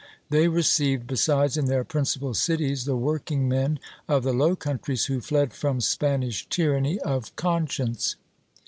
They received besides in their principal cities the workingmen of the Low Countries who fled from Spanish tyranny of conscience.